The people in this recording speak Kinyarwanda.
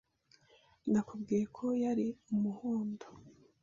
Nakubwiye ko yari umuhondo.